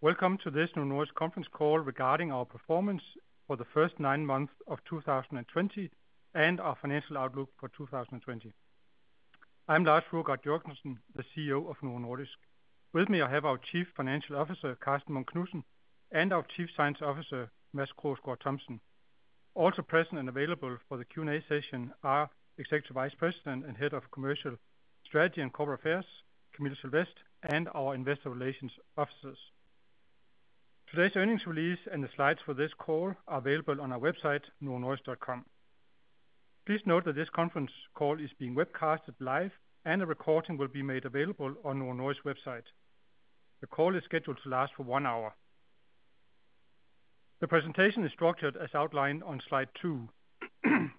Welcome to this Novo Nordisk conference call regarding our performance for the first nine months of 2020 and our financial outlook for 2020. I am Lars Fruergaard Jørgensen, the CEO of Novo Nordisk. With me, I have our Chief Financial Officer, Karsten Munk Knudsen, and our Chief Scientific Officer, Mads Krogsgaard Thomsen. Also present and available for the Q&A session are Executive Vice President and Head of Commercial Strategy and Corporate Affairs, Camilla Sylvest, and our investor relations officers. Today's earnings release and the slides for this call are available on our website, novonordisk.com. Please note that this conference call is being webcasted live and a recording will be made available on Novo Nordisk's website. The call is scheduled to last for one hour. The presentation is structured as outlined on slide two.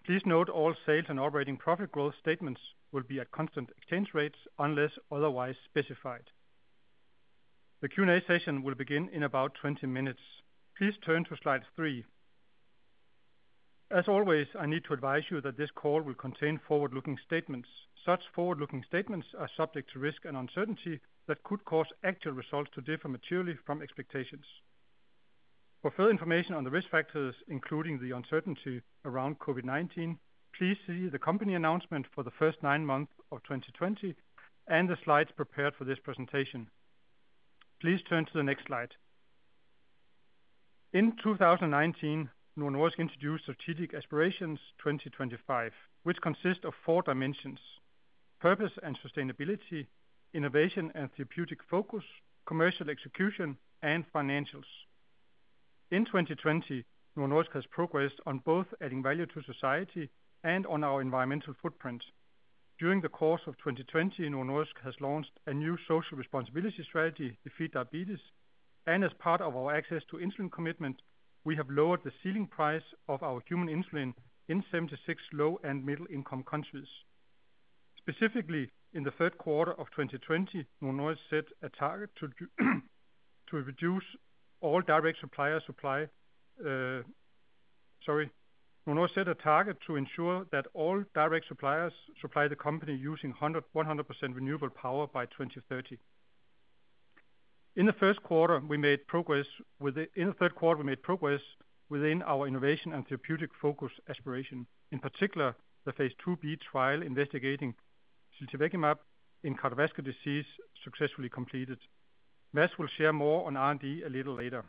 Please note all sales and operating profit growth statements will be at constant exchange rates unless otherwise specified. The Q&A session will begin in about 20 minutes. Please turn to slide three. As always, I need to advise you that this call will contain forward-looking statements. Such forward-looking statements are subject to risk and uncertainty that could cause actual results to differ materially from expectations. For further information on the risk factors, including the uncertainty around COVID-19, please see the company announcement for the first nine months of 2020 and the slides prepared for this presentation. Please turn to the next slide. In 2019, Novo Nordisk introduced Strategic Aspirations 2025, which consist of four dimensions: purpose and sustainability, innovation and therapeutic focus, commercial execution, and financials. In 2020, Novo Nordisk has progressed on both adding value to society and on our environmental footprint. During the course of 2020, Novo Nordisk has launched a new social responsibility strategy, Defeat Diabetes, and as part of our access to insulin commitment, we have lowered the ceiling price of our human insulin in 76 low and middle-income countries. Specifically, in the third quarter of 2020, Novo Nordisk set a target to ensure that all direct suppliers supply the company using 100% renewable power by 2030. In the third quarter, we made progress within our innovation and therapeutic focus aspiration. In particular, the phase IIb trial investigating dulaglutide in cardiovascular disease successfully completed. Mads will share more on R&D a little later.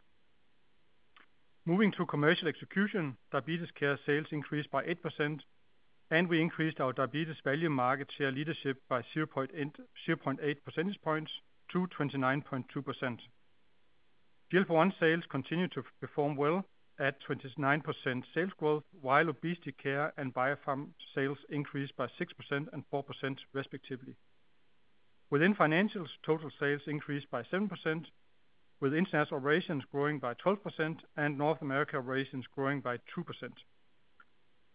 Moving to commercial execution, diabetes care sales increased by 8%, and we increased our diabetes value market share leadership by 0.8 percentage points to 29.2%. GLP-1 sales continue to perform well at 29% sales growth, while obesity care and biopharm sales increased by 6% and 4% respectively. Within financials, total sales increased by 7%, with International Operations growing by 12% and North America Operations growing by 2%.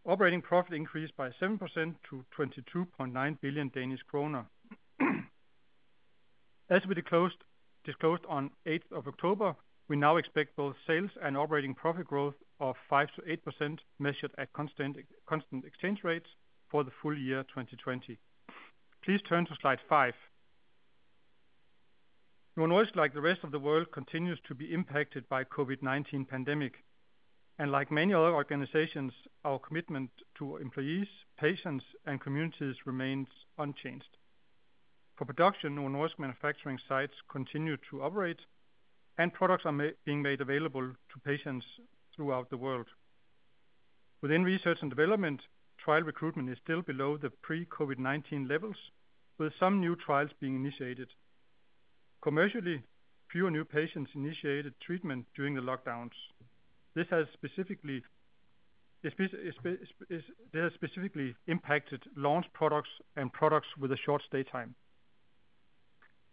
Operating profit increased by 7% to 22.9 billion Danish kroner. As we disclosed on 8th of October, we now expect both sales and operating profit growth of 5%-8% measured at constant exchange rates for the full year 2020. Please turn to slide five. Novo Nordisk, like the rest of the world, continues to be impacted by COVID-19 pandemic. Like many other organizations, our commitment to employees, patients, and communities remains unchanged. For production, Novo Nordisk manufacturing sites continue to operate, and products are being made available to patients throughout the world. Within research and development, trial recruitment is still below the pre-COVID-19 levels, with some new trials being initiated. Commercially, fewer new patients initiated treatment during the lockdowns. This has specifically impacted launch products and products with a short stay time.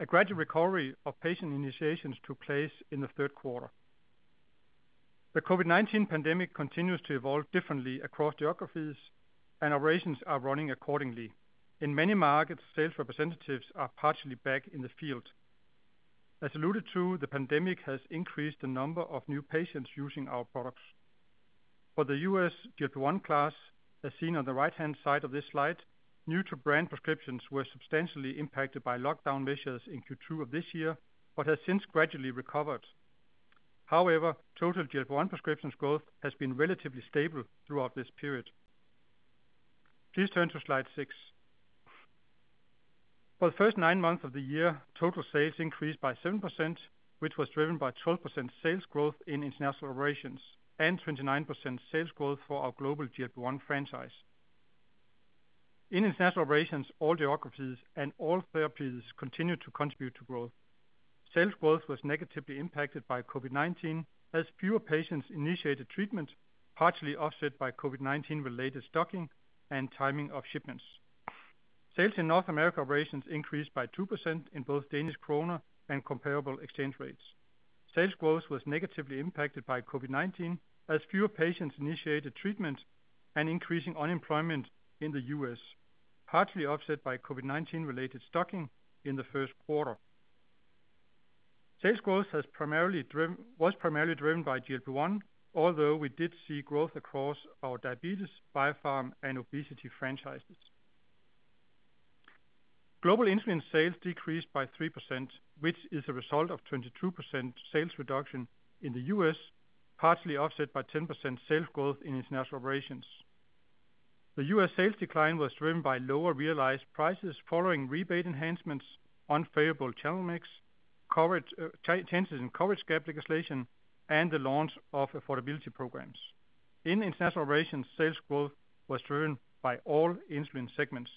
A gradual recovery of patient initiations took place in the third quarter. The COVID-19 pandemic continues to evolve differently across geographies and operations are running accordingly. In many markets, sales representatives are partially back in the field. As alluded to, the pandemic has increased the number of new patients using our products. For the U.S. GLP-1 class, as seen on the right-hand side of this slide, new to brand prescriptions were substantially impacted by lockdown measures in Q2 of this year, but has since gradually recovered. However, total GLP-1 prescriptions growth has been relatively stable throughout this period. Please turn to slide six. For the first nine months of the year, total sales increased by 7%, which was driven by 12% sales growth in International Operations and 29% sales growth for our global GLP-1 franchise. In International Operations, all geographies and all therapies continued to contribute to growth. Sales growth was negatively impacted by COVID-19 as fewer patients initiated treatment, partially offset by COVID-19 related stocking and timing of shipments. Sales in North America Operations increased by 2% in both Danish kroner and comparable exchange rates. Sales growth was negatively impacted by COVID-19 as fewer patients initiated treatment and increasing unemployment in the U.S., partially offset by COVID-19 related stocking in the first quarter. Sales growth was primarily driven by GLP-1, although we did see growth across our diabetes, biopharm, and obesity franchises. Global insulin sales decreased by 3%, which is a result of 22% sales reduction in the U.S., partially offset by 10% sales growth in international operations. The U.S. sales decline was driven by lower realized prices following rebate enhancements, unfavorable channel mix, changes in coverage gap legislation, and the launch of affordability programs. In international operations, sales growth was driven by all insulin segments.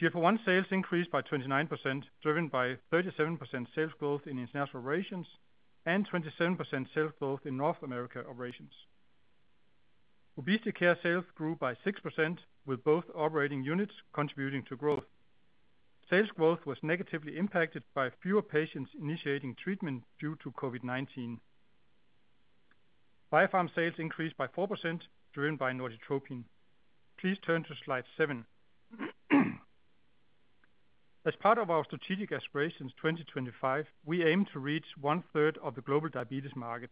GLP-1 sales increased by 29%, driven by 37% sales growth in international operations and 27% sales growth in North America operations. Obesity care sales grew by 6%, with both operating units contributing to growth. Sales growth was negatively impacted by fewer patients initiating treatment due to COVID-19. Biopharm sales increased by 4%, driven by Norditropin. Please turn to slide seven. As part of our strategic aspirations 2025, we aim to reach 1/3 of the global diabetes market.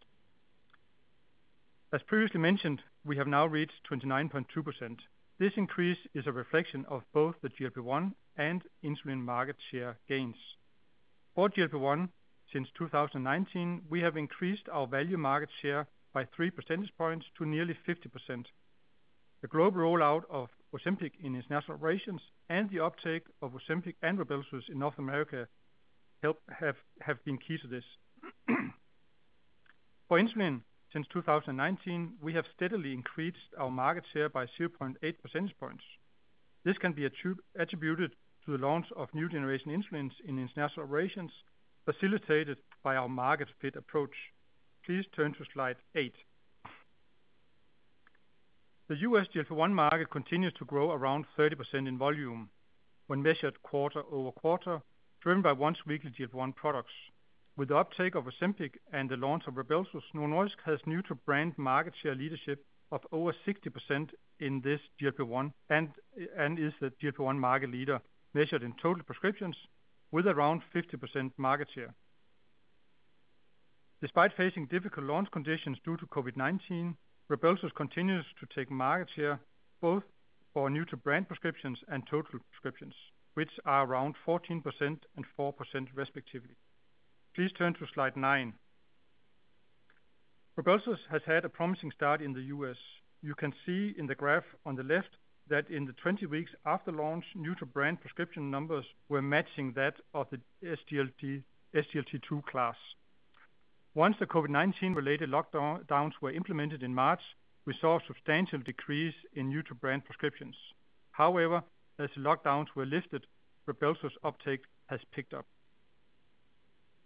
As previously mentioned, we have now reached 29.2%. This increase is a reflection of both the GLP-1 and insulin market share gains. For GLP-1, since 2019, we have increased our value market share by 3 percentage points to nearly 50%. The global rollout of Ozempic in international operations and the uptake of Ozempic and Rybelsus in North America have been key to this. For insulin, since 2019, we have steadily increased our market share by 0.8 percentage points. This can be attributed to the launch of new generation insulins in international operations, facilitated by our market fit approach. Please turn to slide eight. The U.S. GLP-1 market continues to grow around 30% in volume when measured quarter-over-quarter, driven by once-weekly GLP-1 products. With the uptake of Ozempic and the launch of Rybelsus, Novo Nordisk has new to brand market share leadership of over 60% in this GLP-1, and is the GLP-1 market leader measured in total prescriptions, with around 50% market share. Despite facing difficult launch conditions due to COVID-19, Rybelsus continues to take market share both for new to brand prescriptions and total prescriptions, which are around 14% and 4% respectively. Please turn to slide nine. Rybelsus has had a promising start in the U.S. You can see in the graph on the left that in the 20 weeks after launch, new to brand prescription numbers were matching that of the SGLT2 class. Once the COVID-19 related lockdowns were implemented in March, we saw a substantial decrease in new to brand prescriptions. However, as the lockdowns were lifted, Rybelsus uptake has picked up.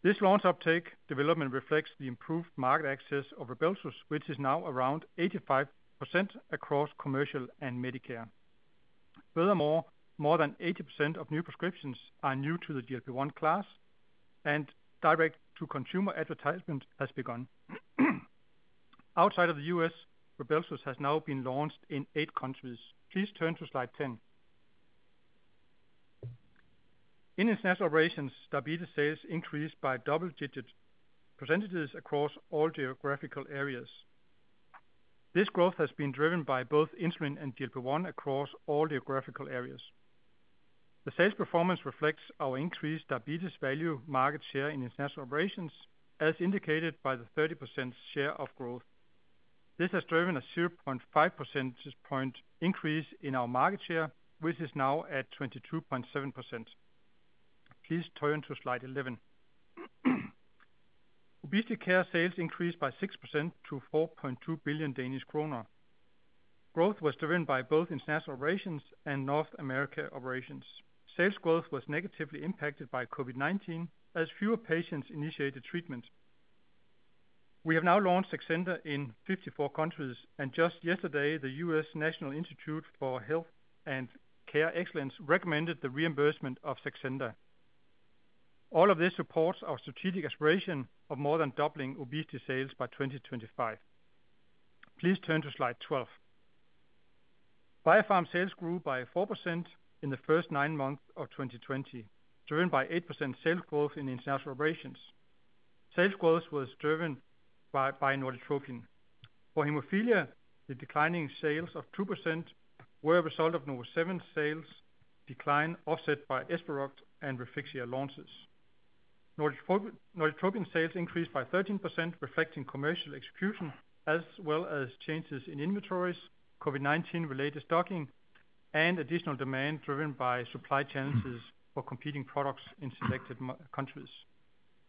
This launch uptake development reflects the improved market access of Rybelsus, which is now around 85% across commercial and Medicare. Furthermore, more than 80% of new prescriptions are new to the GLP-1 class, and direct to consumer advertisement has begun. Outside of the U.S., Rybelsus has now been launched in eight countries. Please turn to slide 10. In international operations, diabetes sales increased by double digit percentages across all geographical areas. This growth has been driven by both insulin and GLP-1 across all geographical areas. The sales performance reflects our increased diabetes value market share in international operations, as indicated by the 30% share of growth. This has driven a 0.5 percentage point increase in our market share, which is now at 22.7%. Please turn to slide 11. Obesity care sales increased by 6% to 4.2 billion Danish kroner. Growth was driven by both international operations and North America operations. Sales growth was negatively impacted by COVID-19 as fewer patients initiated treatment. We have now launched Saxenda in 54 countries, and just yesterday, the U.K. National Institute for Health and Care Excellence recommended the reimbursement of Saxenda. All of this supports our strategic aspiration of more than doubling obesity sales by 2025. Please turn to slide 12. Biopharm sales grew by 4% in the first nine months of 2020, driven by 8% sales growth in International Operations. Sales growth was driven by Norditropin. For hemophilia, the declining sales of 2% were a result of NovoSeven sales decline, offset by Esperoct and Refixia launches. Norditropin sales increased by 13%, reflecting commercial execution, as well as changes in inventories, COVID-19 related stocking and additional demand driven by supply challenges for competing products in selected countries.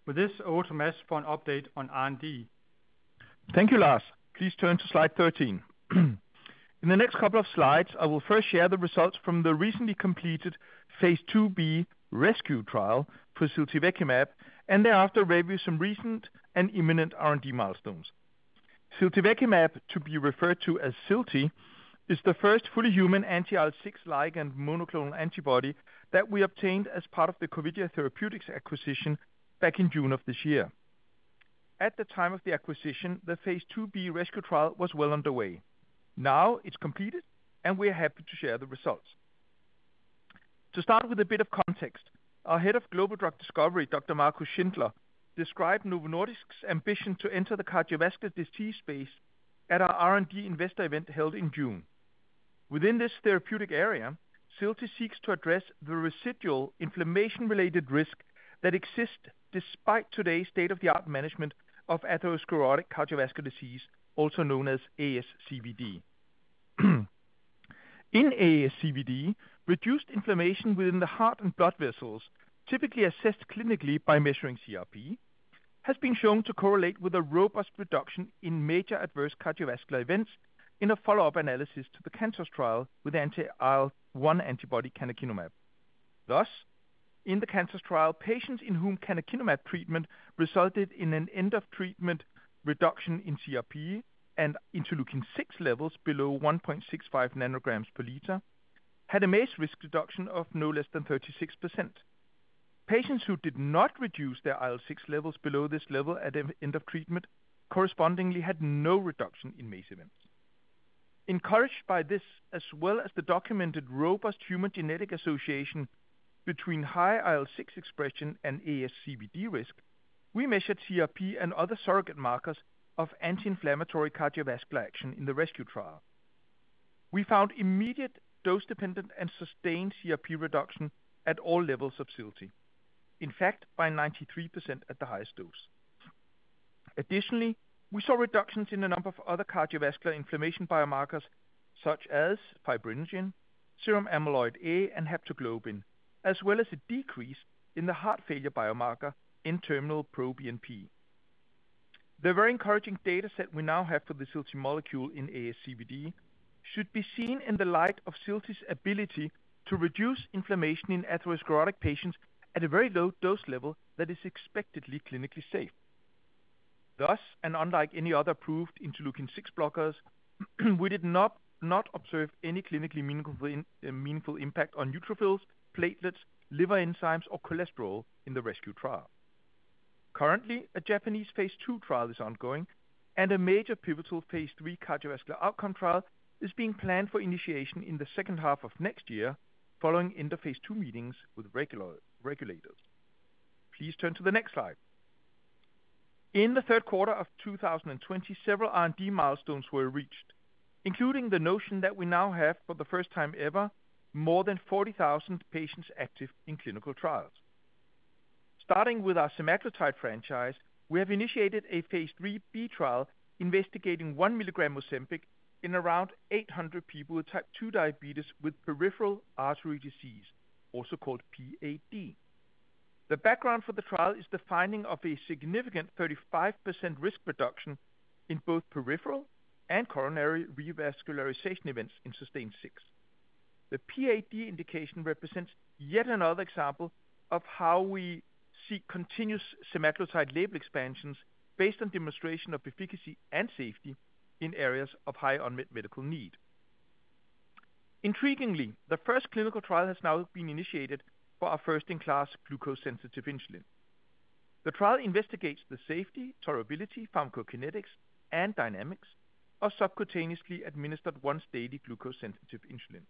With this, I will turn to Mads for an update on R&D. Thank you, Lars. Please turn to slide 13. In the next couple of slides, I will first share the results from the recently completed phase IIb RESCUE trial for ziltivekimab, and thereafter review some recent and imminent R&D milestones. Ziltivekimab, to be referred to as zilti, is the first fully human anti-IL-6 ligand monoclonal antibody that we obtained as part of the Corvidia Therapeutics acquisition back in June of this year. At the time of the acquisition, the phase IIb RESCUE trial was well underway. Now it's completed, and we are happy to share the results. To start with a bit of context, our Head of Global Drug Discovery, Dr. Marcus Schindler, described Novo Nordisk's ambition to enter the cardiovascular disease space at our R&D investor event held in June. Within this therapeutic area, zilti seeks to address the residual inflammation-related risk that exists despite today's state-of-the-art management of atherosclerotic cardiovascular disease, also known as ASCVD. In ASCVD, reduced inflammation within the heart and blood vessels, typically assessed clinically by measuring CRP, has been shown to correlate with a robust reduction in major adverse cardiovascular events in a follow-up analysis to the CANTOS trial with anti-IL-1 antibody canakinumab. In the CANTOS trial, patients in whom canakinumab treatment resulted in an end of treatment reduction in CRP and interleukin six levels below 1.65 ng per liter, had a MACE risk reduction of no less than 36%. Patients who did not reduce their IL-6 levels below this level at end of treatment correspondingly had no reduction in MACE events. Encouraged by this, as well as the documented robust human genetic association between high IL-6 expression and ASCVD risk, we measured CRP and other surrogate markers of anti-inflammatory cardiovascular action in the RESCUE trial. We found immediate dose-dependent and sustained CRP reduction at all levels of zilti. In fact, by 93% at the highest dose. Additionally, we saw reductions in a number of other cardiovascular inflammation biomarkers such as fibrinogen, serum amyloid A, and haptoglobin, as well as a decrease in the heart failure biomarker NT-proBNP. The very encouraging data set we now have for the zilti molecule in ASCVD should be seen in the light of zilti's ability to reduce inflammation in atherosclerotic patients at a very low dose level that is expectedly clinically safe. Thus, unlike any other approved interleukin six blockers, we did not observe any clinically meaningful impact on neutrophils, platelets, liver enzymes, or cholesterol in the RESCUE trial. Currently, a Japanese phase II trial is ongoing, and a major pivotal phase III cardiovascular outcome trial is being planned for initiation in the second half of next year, following end of phase II meetings with regulators. Please turn to the next slide. In the third quarter of 2020, several R&D milestones were reached, including the notion that we now have, for the first time ever, more than 40,000 patients active in clinical trials. Starting with our semaglutide franchise, we have initiated a phase IIIb trial investigating 1 mg Ozempic in around 800 people with type 2 diabetes with peripheral artery disease, also called PAD. The background for the trial is the finding of a significant 35% risk reduction in both peripheral and coronary revascularization events in SUSTAIN 6. The PAD indication represents yet another example of how we seek continuous semaglutide label expansions based on demonstration of efficacy and safety in areas of high unmet medical need. Intriguingly, the first clinical trial has now been initiated for our first-in-class glucose-sensitive insulin. The trial investigates the safety, tolerability, pharmacokinetics, and dynamics of subcutaneously administered once-daily glucose-sensitive insulin.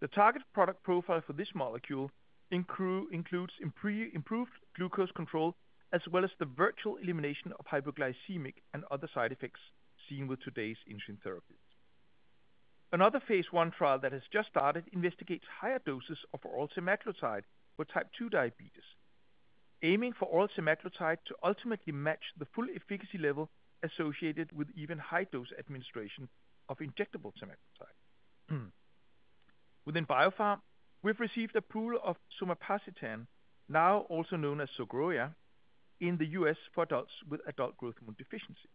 The target product profile for this molecule includes improved glucose control, as well as the virtual elimination of hypoglycemic and other side effects seen with today's insulin therapies. Another phase I trial that has just started investigates higher doses of oral semaglutide for type 2 diabetes, aiming for oral semaglutide to ultimately match the full efficacy level associated with even high-dose administration of injectable semaglutide. Within Biopharm, we've received approval of somapacitan, now also known as SOGROYA, in the U.S. for adults with adult growth hormone deficiency.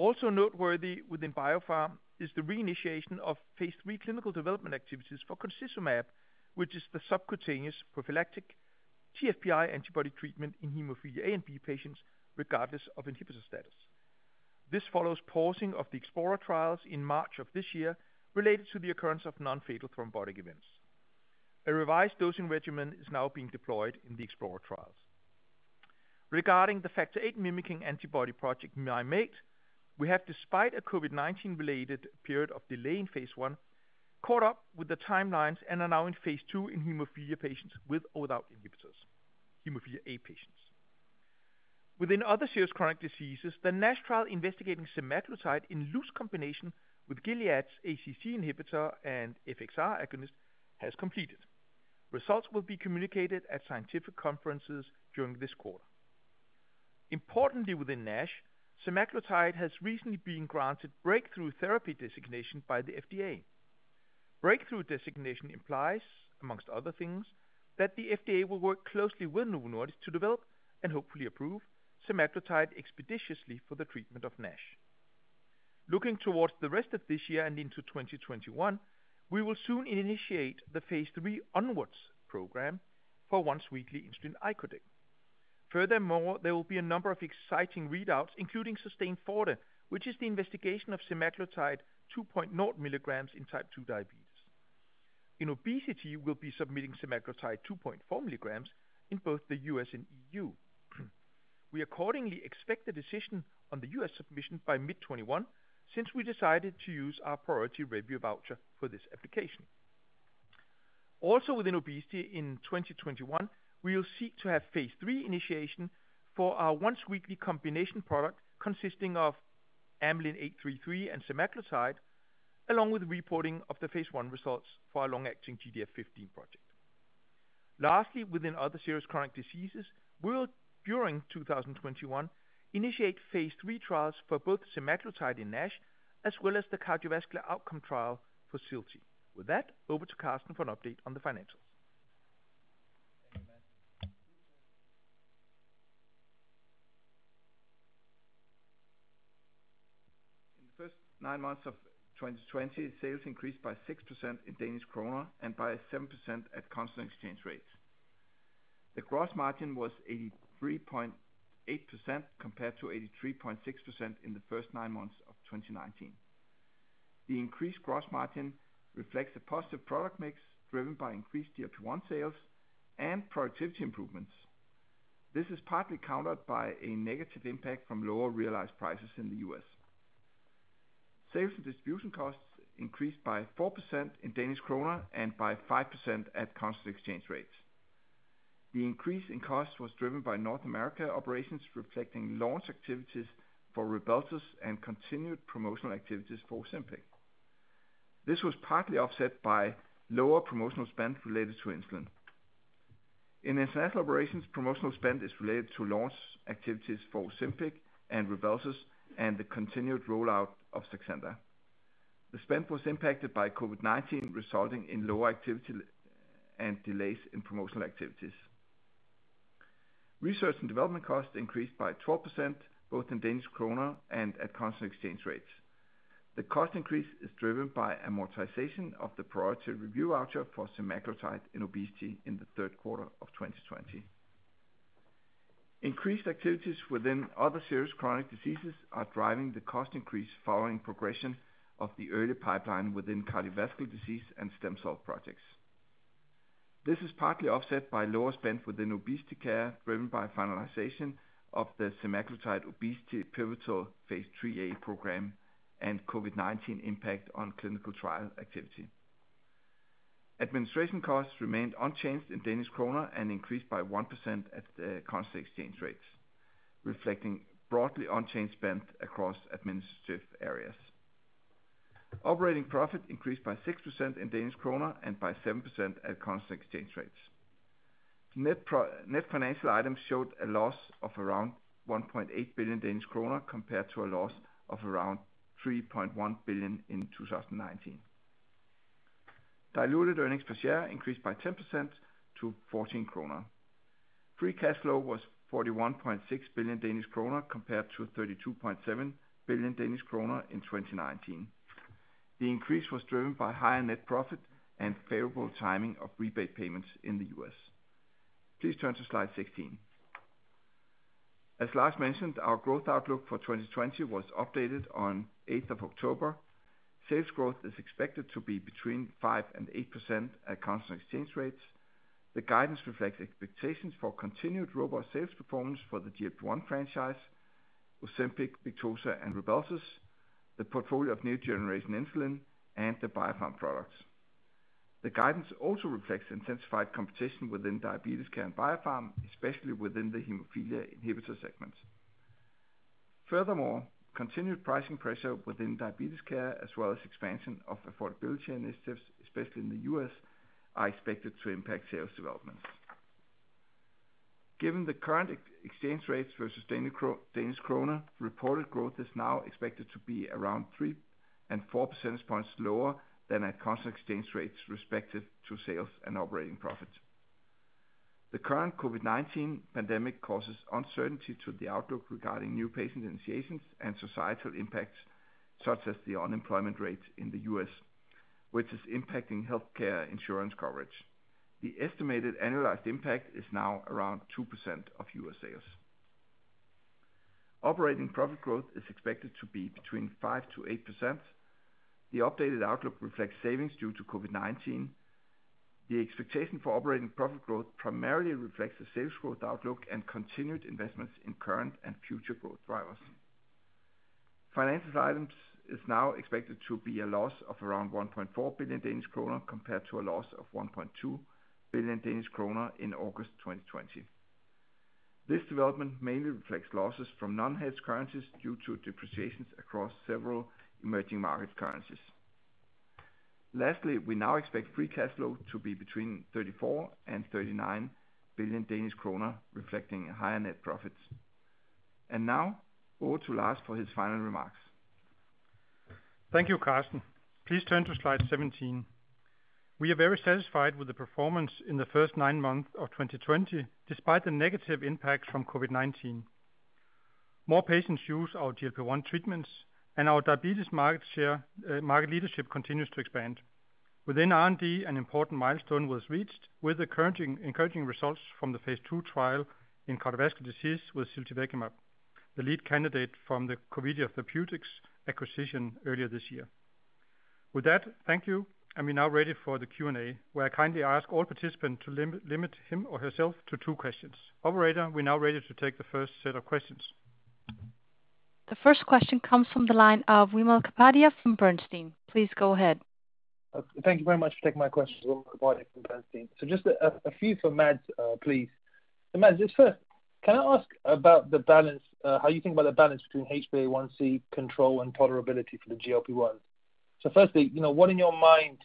Also noteworthy within Biopharm is the reinitiation of phase III clinical development activities for concizumab, which is the subcutaneous prophylactic TFPI antibody treatment in hemophilia A and B patients, regardless of inhibitor status. This follows pausing of the explorer trials in March of this year related to the occurrence of non-fatal thrombotic events. A revised dosing regimen is now being deployed in the explorer trials. Regarding the factor VIII-mimicking antibody project Mim8, we have despite a COVID-19 related period of delay in phase I, caught up with the timelines and are now in phase II in hemophilia patients with or without inhibitors, hemophilia A patients. Within other serious chronic diseases, the NASH trial investigating semaglutide in loose combination with Gilead's ACC inhibitor and FXR agonist has completed. Results will be communicated at scientific conferences during this quarter. Importantly, within NASH, semaglutide has recently been granted breakthrough therapy designation by the FDA. Breakthrough designation implies, amongst other things, that the FDA will work closely with Novo Nordisk to develop and hopefully approve semaglutide expeditiously for the treatment of NASH. Looking towards the rest of this year and into 2021, we will soon initiate the phase III ONWARDS program for once-weekly insulin icodec. Furthermore, there will be a number of exciting readouts, including SUSTAIN FORTE, which is the investigation of semaglutide 2.0 mg in type 2 diabetes. In obesity, we'll be submitting semaglutide 2.4 mg in both the U.S. and EU. We accordingly expect a decision on the U.S. submission by mid 2021, since we decided to use our priority review voucher for this application Within obesity in 2021, we will seek to have phase III initiation for our once weekly combination product consisting of AM833 and semaglutide, along with reporting of the phase I results for our long-acting GDF15 project. Within other serious chronic diseases, we will during 2021, initiate phase III trials for both semaglutide in NASH as well as the cardiovascular outcome trial for zilti. Over to Karsten for an update on the financials. In the first nine months of 2020, sales increased by 6% in DKK and by 7% at constant exchange rates. The gross margin was 83.8% compared to 83.6% in the first nine months of 2019. The increased gross margin reflects a positive product mix driven by increased GLP-1 sales and productivity improvements. This is partly countered by a negative impact from lower realized prices in the U.S. Sales and distribution costs increased by 4% in DKK and by 5% at constant exchange rates. The increase in costs was driven by North America operations reflecting launch activities for Rybelsus and continued promotional activities for Ozempic. This was partly offset by lower promotional spend related to insulin. In International Operations, promotional spend is related to launch activities for Ozempic and Rybelsus and the continued rollout of Saxenda. The spend was impacted by COVID-19, resulting in lower activity and delays in promotional activities. Research and development costs increased by 12%, both in Danish kroner and at constant exchange rates. The cost increase is driven by amortization of the priority review voucher for semaglutide in obesity in the third quarter of 2020. Increased activities within other serious chronic diseases are driving the cost increase following progression of the early pipeline within cardiovascular disease and stem cell projects. This is partly offset by lower spend within obesity care, driven by finalization of the semaglutide obesity pivotal phase IIIa program and COVID-19 impact on clinical trial activity. Administration costs remained unchanged in Danish kroner and increased by 1% at constant exchange rates, reflecting broadly unchanged spend across administrative areas. Operating profit increased by 6% in Danish kroner and by 7% at constant exchange rates. Net financial items showed a loss of around 1.8 billion Danish kroner compared to a loss of around 3.1 billion in 2019. Diluted earnings per share increased by 10% to 14 kroner. Free cash flow was 41.6 billion Danish kroner compared to 32.7 billion Danish kroner in 2019. The increase was driven by higher net profit and favorable timing of rebate payments in the U.S. Please turn to slide 16. As Lars mentioned, our growth outlook for 2020 was updated on 8th of October. Sales growth is expected to be between 5% and 8% at constant exchange rates. The guidance reflects expectations for continued robust sales performance for the GLP-1 franchise, Ozempic, Victoza, and Rybelsus, the portfolio of new generation insulin and the Biopharm products. The guidance also reflects intensified competition within diabetes care and Biopharm, especially within the hemophilia inhibitor segments. Furthermore, continued pricing pressure within diabetes care, as well as expansion of affordability initiatives, especially in the U.S., are expected to impact sales developments. Given the current exchange rates versus Danish kroner, reported growth is now expected to be around 3 percentage points and 4 percentage points lower than at constant exchange rates respective to sales and operating profit. The current COVID-19 pandemic causes uncertainty to the outlook regarding new patient initiations and societal impacts, such as the unemployment rate in the U.S., which is impacting healthcare insurance coverage. The estimated annualized impact is now around 2% of U.S. sales. Operating profit growth is expected to be between 5%-8%. The updated outlook reflects savings due to COVID-19. The expectation for operating profit growth primarily reflects the sales growth outlook and continued investments in current and future growth drivers. Financial items is now expected to be a loss of around 1.4 billion Danish kroner compared to a loss of 1.2 billion Danish kroner in August 2020. This development mainly reflects losses from non-hedged currencies due to depreciations across several emerging market currencies. Lastly, we now expect free cash flow to be between 34 billion and 39 billion Danish kroner, reflecting higher net profits. Now over to Lars for his final remarks. Thank you, Karsten. Please turn to slide 17. We are very satisfied with the performance in the first nine months of 2020, despite the negative impacts from COVID-19. More patients use our GLP-1 treatments and our diabetes market leadership continues to expand. Within R&D an important milestone was reached with the encouraging results from the phase II trial in cardiovascular disease with ziltivekimab, the lead candidate from the Corvidia Therapeutics acquisition earlier this year. With that, thank you. We're now ready for the Q&A, where I kindly ask all participants to limit him or herself to two questions. Operator, we're now ready to take the first set of questions. The first question comes from the line of Wimal Kapadia from Bernstein. Please go ahead. Thank you very much for taking my question, Wimal Kapadia from Bernstein. Just a few for Mads, please. Mads, just first, can I ask about how you think about the balance between HbA1c control and tolerability for the GLP-1? Firstly, what in your mind,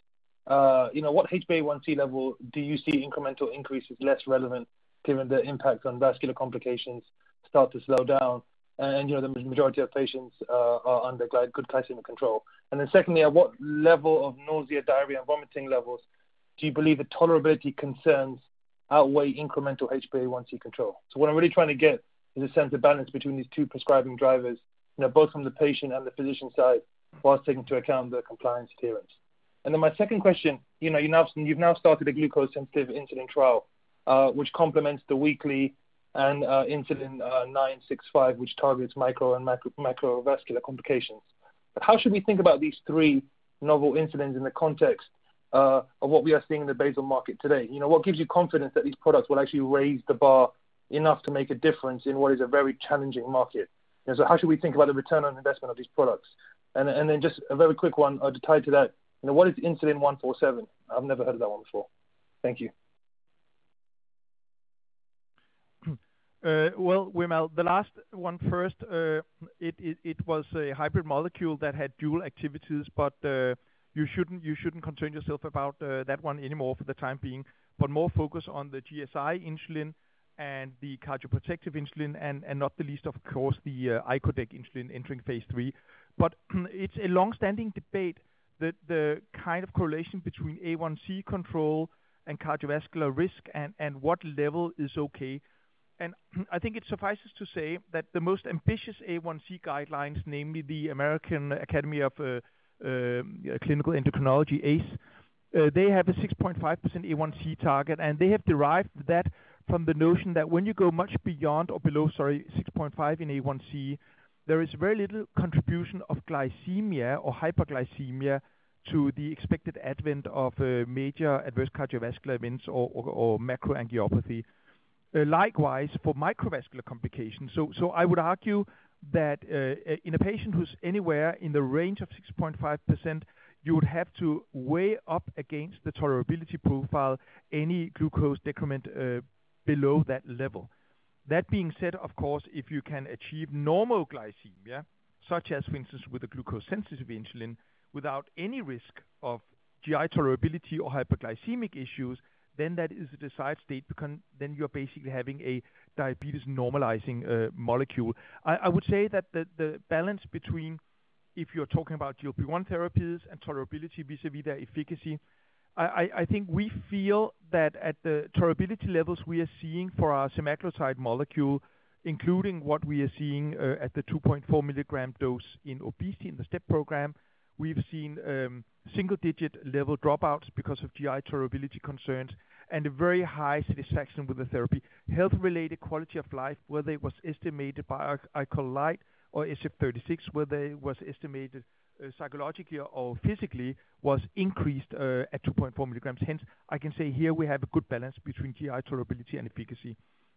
what HbA1c level do you see incremental increase is less relevant given the impact on vascular complications start to slow down and the majority of patients are under good glycemic control? Secondly, at what level of nausea, diarrhea, and vomiting levels do you believe the tolerability concerns outweigh incremental HbA1c control? What I'm really trying to get is a sense of balance between these two prescribing drivers, both from the patient and the physician side, whilst taking into account the compliance adherence. My second question, you've now started a glucose-sensitive insulin trial, which complements the weekly and insulin 965, which targets micro and macrovascular complications. How should we think about these three novel insulins in the context of what we are seeing in the basal market today? What gives you confidence that these products will actually raise the bar enough to make a difference in what is a very challenging market? How should we think about the return on investment of these products? Just a very quick one to tie to that. What is insulin 147? I've never heard of that one before. Thank you. Well, Wimal, the last one first, it was a hybrid molecule that had dual activities, but you shouldn't concern yourself about that one anymore for the time being, but more focus on the GSI insulin and the cardioprotective insulin and not the least, of course, the icodec insulin entering phase III. It's a long-standing debate, the kind of correlation between A1C control and cardiovascular risk and what level is okay. I think it suffices to say that the most ambitious A1C guidelines, namely the American Association of Clinical Endocrinology, AACE, they have a 6.5% A1C target, and they have derived that from the notion that when you go much beyond or below, sorry, 6.5% in A1C, there is very little contribution of glycemia or hyperglycemia to the expected advent of major adverse cardiovascular events or macroangiopathy. Likewise, for microvascular complications. I would argue that in a patient who's anywhere in the range of 6.5%, you would have to weigh up against the tolerability profile any glucose decrement below that level. That being said, of course, if you can achieve normal glycemia, such as, for instance, with a glucose-sensitive insulin, without any risk of GI tolerability or hyperglycemic issues, then that is a desired state, because then you're basically having a diabetes-normalizing molecule. I would say that the balance between, if you're talking about GLP-1 therapies and tolerability vis-a-vis their efficacy, I think we feel that at the tolerability levels we are seeing for our semaglutide molecule, including what we are seeing at the 2.4 mg dose in obesity in the STEP program, we've seen single-digit level dropouts because of GI tolerability concerns and a very high satisfaction with the therapy. Health-related quality of life, whether it was estimated by IWQoL or SF-36, whether it was estimated psychologically or physically, was increased at 2.4 mg. Hence, I can say here we have a good balance between GI tolerability and efficacy.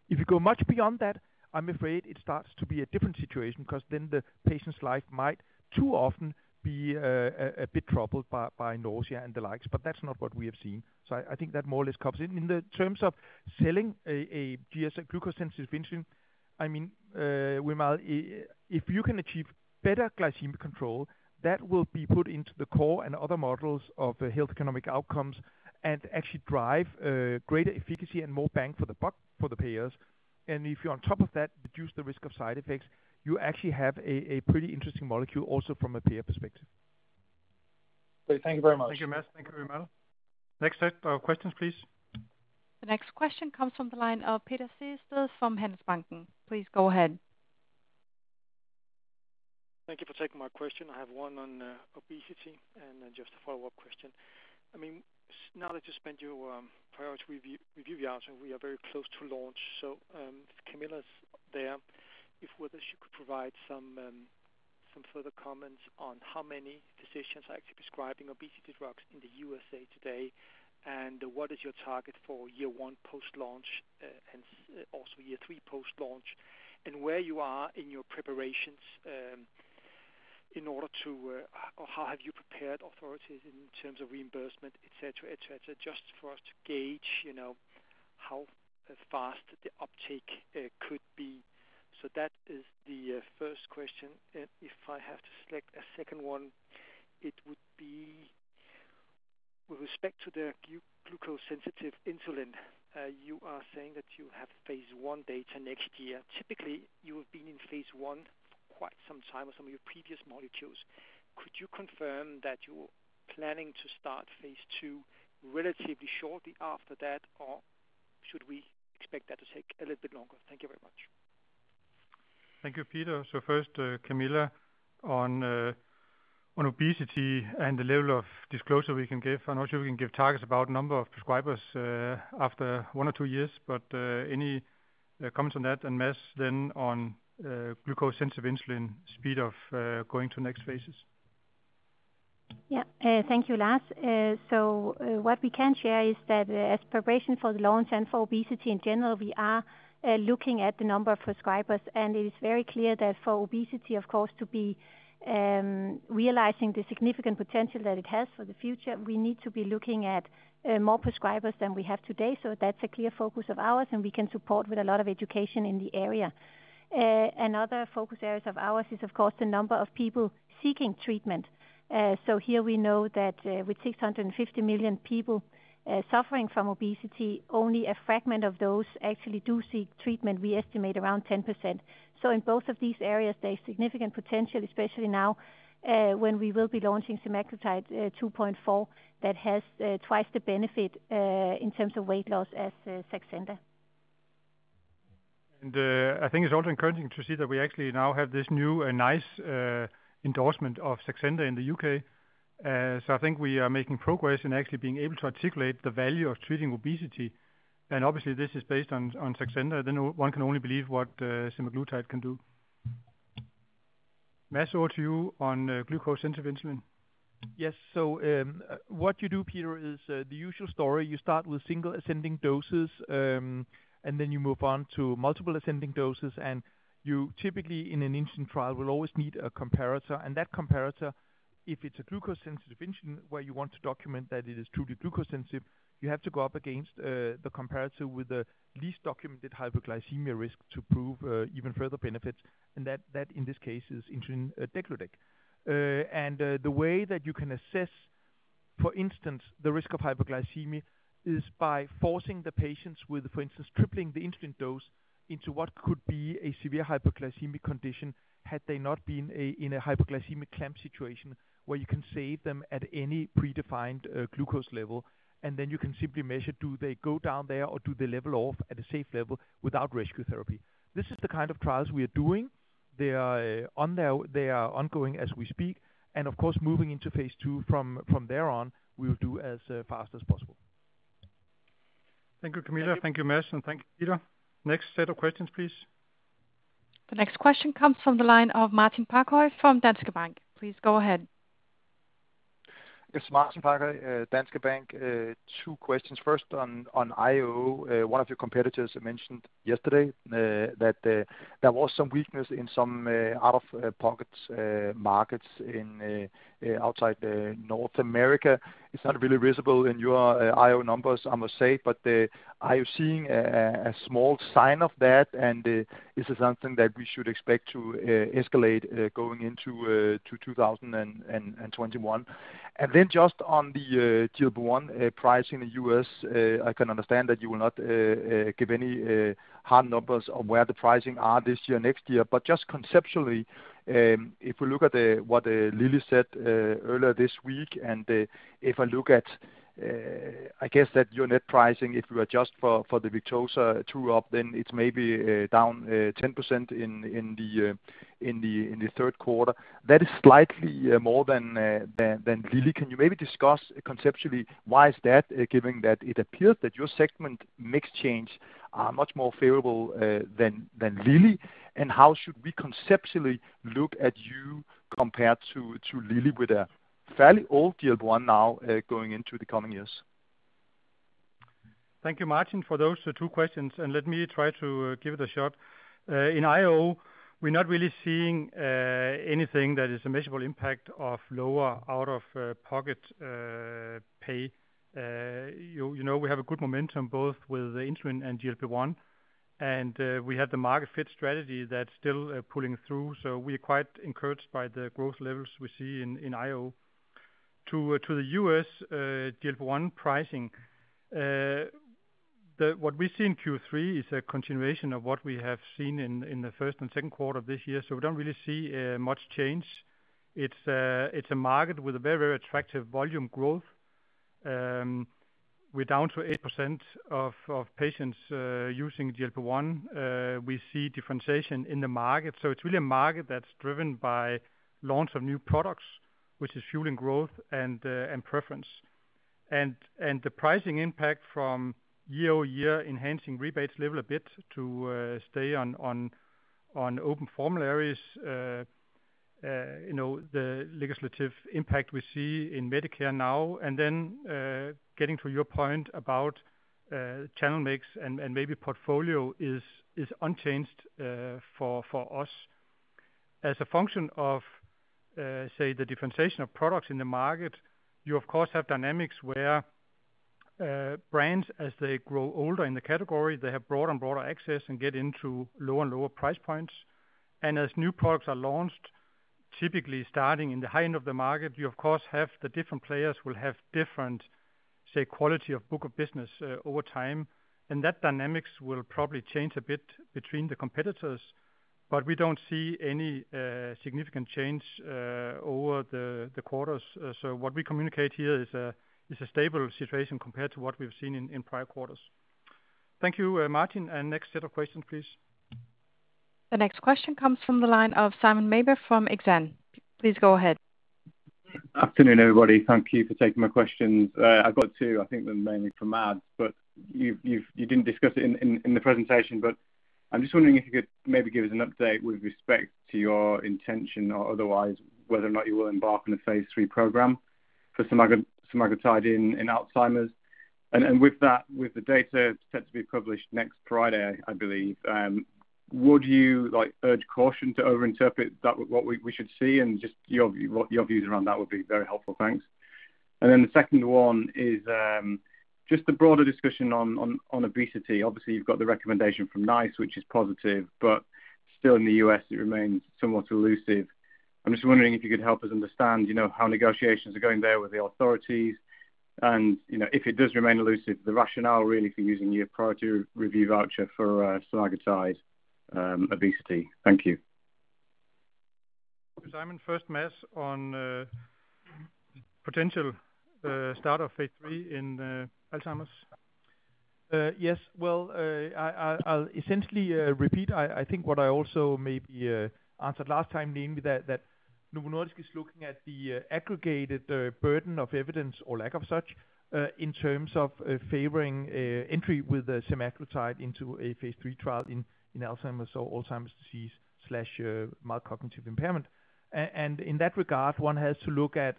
If you go much beyond that, I'm afraid it starts to be a different situation because then the patient's life might too often be a bit troubled by nausea and the likes. That's not what we have seen. I think that more or less covers it. In the terms of selling a GSI glucose-sensitive insulin, I mean, Wimal, if you can achieve better glycemic control, that will be put into the core and other models of health economic outcomes and actually drive greater efficacy and more bang for the buck for the payers. If you, on top of that, reduce the risk of side effects, you actually have a pretty interesting molecule also from a payer perspective. Great. Thank you very much. Thank you, Mads. Thank you, Wimal. Next set of questions, please. The next question comes from the line of Peter Sehested from Handelsbanken. Please go ahead. Thank you for taking my question. I have one on obesity and then just a follow-up question. Now that you spent your priority review out, and we are very close to launch. Camilla is there. Whether she could provide some further comments on how many physicians are actually prescribing obesity drugs in the U.S.A. today, and what is your target for year one post-launch, and also year three post-launch, and how have you prepared authorities in terms of reimbursement, et cetera. Just for us to gauge how fast the uptake could be. That is the first question. If I have to select a second one, it would be with respect to the glucose-sensitive insulin. You are saying that you have phase I data next year. Typically, you have been in phase I for quite some time with some of your previous molecules. Could you confirm that you're planning to start phase II relatively shortly after that, or should we expect that to take a little bit longer? Thank you very much. Thank you, Peter. First, Camilla on obesity and the level of disclosure we can give. I'm not sure we can give targets about number of prescribers after one or two years, but any comments on that, and Mads then on glucose-sensitive insulin speed of going to next phases. Thank you, Lars. What we can share is that as preparation for the launch and for obesity in general, we are looking at the number of prescribers, and it is very clear that for obesity, of course, to be realizing the significant potential that it has for the future, we need to be looking at more prescribers than we have today. That's a clear focus areas of ours, and we can support with a lot of education in the area. Another focus areas of ours is, of course, the number of people seeking treatment. Here we know that with 650 million people suffering from obesity, only a fragment of those actually do seek treatment, we estimate around 10%. In both of these areas, there's significant potential, especially now, when we will be launching semaglutide 2.4 mg that has twice the benefit in terms of weight loss as Saxenda. I think it's also encouraging to see that we actually now have this new and nice endorsement of Saxenda in the U.K. I think we are making progress in actually being able to articulate the value of treating obesity. Obviously this is based on Saxenda, then one can only believe what semaglutide can do. Mads, over to you on glucose intervention. Yes. What you do, Peter, is the usual story. You start with single ascending doses, then you move on to multiple ascending doses, you typically in an insulin trial will always need a comparator. That comparator, if it's a glucose-sensitive insulin, where you want to document that it is truly glucose-sensitive, you have to go up against the comparator with the least documented hyperglycemia risk to prove even further benefits, and that in this case is insulin degludec. The way that you can assess, for instance, the risk of hyperglycemia is by forcing the patients with, for instance, tripling the insulin dose into what could be a severe hyperglycemic condition had they not been in a hyperglycemic clamp situation where you can save them at any predefined glucose level, and then you can simply measure, do they go down there or do they level off at a safe level without rescue therapy? This is the kind of trials we are doing. They are ongoing as we speak, and of course, moving into phase II from there on, we will do as fast as possible. Thank you, Camilla. Thank you, Mads, and thank you, Peter. Next set of questions, please. The next question comes from the line of Martin Parkhøi from Danske Bank. Please go ahead. It's Martin Parkhøi, Danske Bank. Two questions. First on IO. One of your competitors mentioned yesterday that there was some weakness in some out-of-pocket markets outside North America. It's not really visible in your IO numbers, I must say, but are you seeing a small sign of that? Is it something that we should expect to escalate going into 2021? Just on the GLP-1 pricing in the U.S., I can understand that you will not give any hard numbers on where the pricing are this year, next year. Just conceptually, if we look at what Lilly said earlier this week, and if I look at, I guess that your net pricing, if we adjust for the Victoza true-up, then it's maybe down 10% in the third quarter. That is slightly more than Lilly. Can you maybe discuss conceptually why is that, given that it appears that your segment mix change are much more favorable than Lilly? How should we conceptually look at you compared to Lilly with a fairly old GLP-1 now going into the coming years? Thank you, Martin, for those two questions. Let me try to give it a shot. In IO, we're not really seeing anything that is a measurable impact of lower out-of-pocket pay. We have a good momentum both with insulin and GLP-1. We have the market fit strategy that's still pulling through. We are quite encouraged by the growth levels we see in IO. To the U.S. GLP-1 pricing, what we see in Q3 is a continuation of what we have seen in the first and second quarter of this year. We don't really see much change. It's a market with a very, very attractive volume growth. We're down to 8% of patients using GLP-1. We see differentiation in the market. It's really a market that's driven by launch of new products, which is fueling growth and preference. The pricing impact from year-over-year enhancing rebates level a bit to stay on open formularies, the legislative impact we see in Medicare now, then getting to your point about channel mix and maybe portfolio is unchanged for us. As a function of, say, the differentiation of products in the market, you of course, have dynamics where brands, as they grow older in the category, they have broader and broader access and get into lower and lower price points. As new products are launched, typically starting in the high end of the market, you of course have the different players will have different, say, quality of book of business over time. That dynamics will probably change a bit between the competitors, but we don't see any significant change over the quarters. What we communicate here is a stable situation compared to what we've seen in prior quarters. Thank you, Martin. Next set of questions, please. The next question comes from the line of Simon Mather from Exane. Please go ahead. Afternoon, everybody. Thank you for taking my questions. I've got two, I think they're mainly for Mads, but you didn't discuss it in the presentation. I'm just wondering if you could maybe give us an update with respect to your intention or otherwise, whether or not you will embark on a phase III program for semaglutide in Alzheimer's. With the data set to be published next Friday, I believe, would you urge caution to over-interpret, what we should see? Just your views around that would be very helpful. Thanks. The second one is just the broader discussion on obesity. Obviously, you've got the recommendation from NICE, which is positive, but still in the U.S. it remains somewhat elusive. I'm just wondering if you could help us understand how negotiations are going there with the authorities and, if it does remain elusive, the rationale, really, for using your priority review voucher for semaglutide obesity. Thank you. Simon, first Mads on potential start of phase III in Alzheimer's. Yes. Well, I'll essentially repeat, I think what I also maybe answered last time, namely that Novo Nordisk is looking at the aggregated burden of evidence or lack of such, in terms of favoring entry with the semaglutide into a phase III trial in Alzheimer's or Alzheimer's disease/mild cognitive impairment. In that regard, one has to look at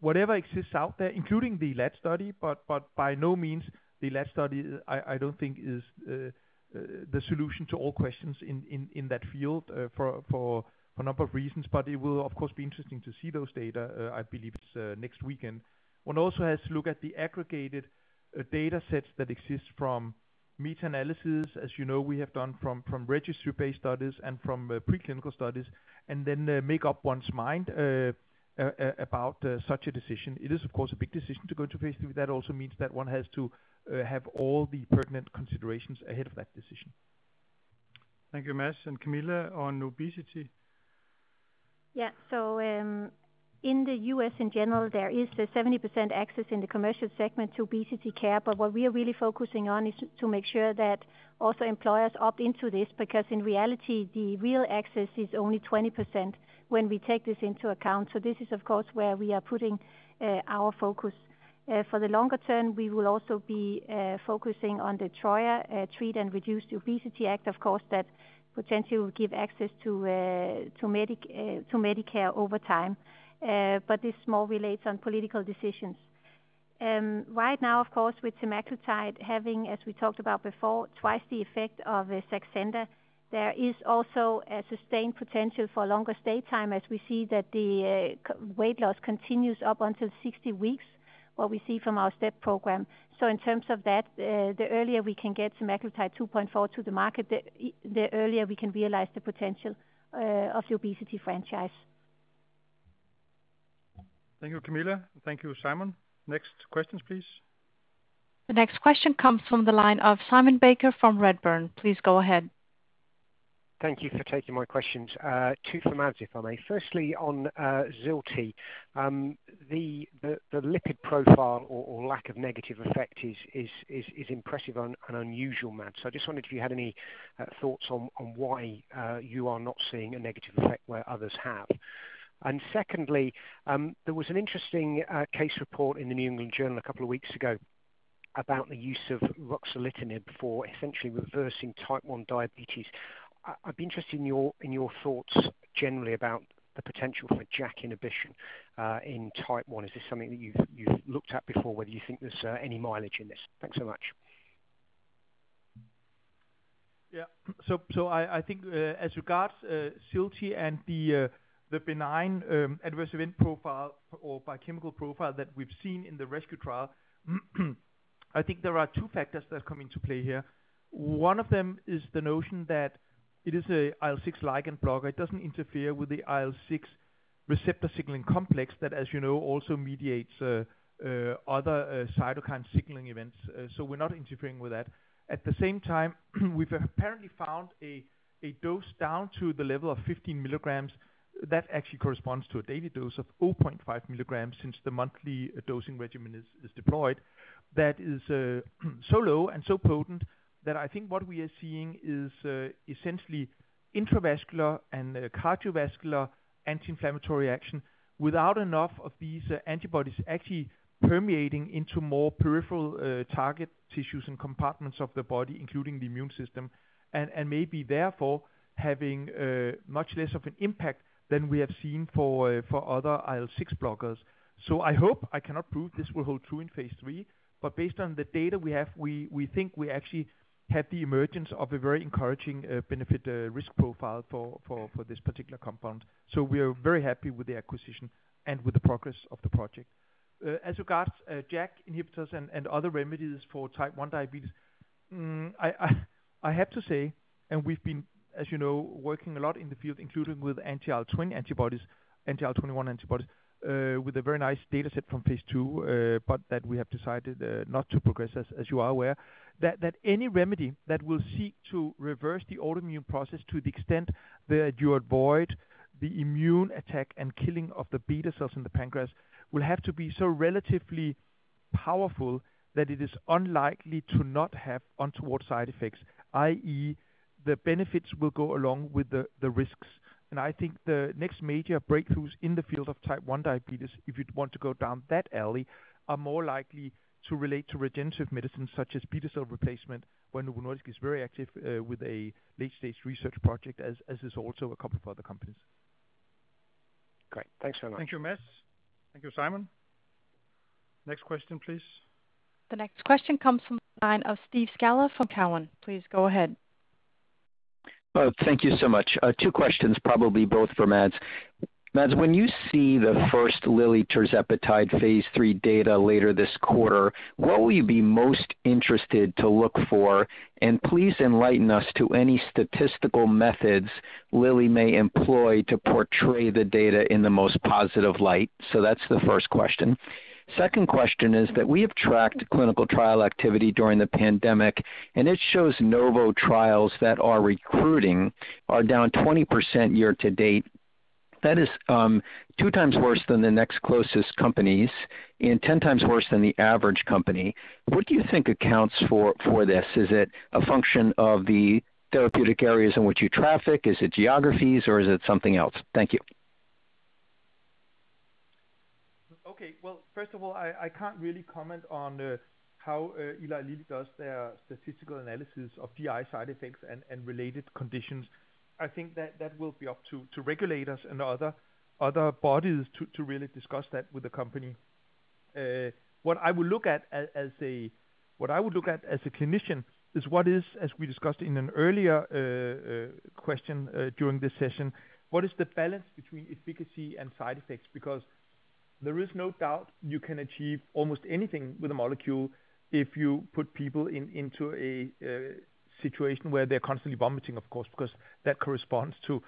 whatever exists out there, including the ELAD study, but by no means the ELAD study, I don't think is the solution to all questions in that field, for a number of reasons. It will, of course, be interesting to see those data. I believe it's next weekend. One also has to look at the aggregated data sets that exist from meta-analysis. As you know, we have done from registry-based studies and from preclinical studies, and then make up one's mind about such a decision. It is, of course, a big decision to go into phase III. That also means that one has to have all the pertinent considerations ahead of that decision. Thank you, Mads. Camilla on obesity. In the U.S. in general, there is the 70% access in the commercial segment to obesity care. What we are really focusing on is to make sure that also employers opt into this, because in reality, the real access is only 20% when we take this into account. This is, of course, where we are putting our focus. For the longer term, we will also be focusing on the TROA, Treat and Reduce Obesity Act, of course, that potentially will give access to Medicare over time. This more relates on political decisions. Right now, of course, with semaglutide having, as we talked about before, twice the effect of Saxenda, there is also a sustained potential for longer stay time as we see that the weight loss continues up until 60 weeks, what we see from our STEP program. In terms of that, the earlier we can get semaglutide 2.4 mg to the market, the earlier we can realize the potential of the obesity franchise. Thank you, Camilla. Thank you, Simon. Next questions, please. The next question comes from the line of Simon Baker from Redburn. Please go ahead. Thank you for taking my questions. Two for Mads, if I may. Firstly, on ziltivekimab. The lipid profile or lack of negative effect is impressive and unusual, Mads. I just wondered if you had any thoughts on why you are not seeing a negative effect where others have. Secondly, there was an interesting case report in The New England Journal a couple of weeks ago about the use of ruxolitinib for essentially reversing type 1 diabetes. I'd be interested in your thoughts generally about the potential for JAK inhibition in type 1 diabetes. Is this something that you've looked at before, whether you think there's any mileage in this? Thanks so much. Yeah. I think as regards ziltivekimab and the benign adverse event profile or biochemical profile that we've seen in the RESCUE trial, I think there are two factors that come into play here. One of them is the notion that it is a IL-6 ligand blocker. It doesn't interfere with the IL-6 receptor signaling complex that, as you know, also mediates other cytokine signaling events. We're not interfering with that. At the same time, we've apparently found a dose down to the level of 15 mg that actually corresponds to a daily dose of 0.5 mg since the monthly dosing regimen is deployed. That is so low and so potent that I think what we are seeing is essentially intravascular and cardiovascular anti-inflammatory action without enough of these antibodies actually permeating into more peripheral target tissues and compartments of the body, including the immune system. Maybe therefore, having much less of an impact than we have seen for other IL-6 blockers. I hope, I cannot prove this will hold true in phase III, but based on the data we have, we think we actually have the emergence of a very encouraging benefit risk profile for this particular compound. We are very happy with the acquisition and with the progress of the project. As regards JAK inhibitors and other remedies for type 1 diabetes, I have to say, and we've been, as you know, working a lot in the field, including with anti-IL-21 antibodies, with a very nice data set from phase II, but that we have decided not to progress, as you are aware. That any remedy that will seek to reverse the autoimmune process to the extent that you avoid the immune attack and killing of the beta cells in the pancreas, will have to be so relatively powerful that it is unlikely to not have untoward side effects, i.e., the benefits will go along with the risks. I think the next major breakthroughs in the field of type 1 diabetes, if you'd want to go down that alley, are more likely to relate to regenerative medicine such as beta cell replacement, where Novo Nordisk is very active with a late-stage research project, as is also a couple of other companies. Great. Thanks very much. Thank you, Mads. Thank you, Simon. Next question, please. The next question comes from the line of Steve Scala from Cowen. Please go ahead. Thank you so much. Two questions, probably both for Mads. Mads, when you see the first Lilly tirzepatide phase III data later this quarter, what will you be most interested to look for? Please enlighten us to any statistical methods Lilly may employ to portray the data in the most positive light. That's the first question. Second question is that we have tracked clinical trial activity during the pandemic, and it shows Novo Nordisk trials that are recruiting are down 20% year to date. That is two times worse than the next closest companies and 10 times worse than the average company. What do you think accounts for this? Is it a function of the therapeutic areas in which you traffic? Is it geographies or is it something else? Thank you. Okay. Well, first of all, I can't really comment on how Eli Lilly does their statistical analysis of GI side effects and related conditions. I think that will be up to regulators and other bodies to really discuss that with the company. What I would look at as a clinician is what is, as we discussed in an earlier question during this session, what is the balance between efficacy and side effects? There is no doubt you can achieve almost anything with a molecule if you put people into a situation where they're constantly vomiting, of course, because that corresponds to